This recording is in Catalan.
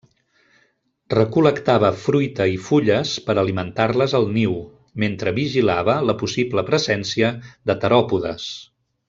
Recol·lectava fruita i fulles per alimentar-les al niu, mentre vigilava la possible presència de teròpodes.